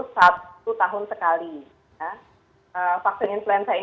salah satunya adalah virus influenza